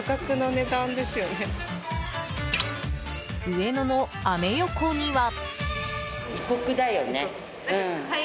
上野のアメ横には。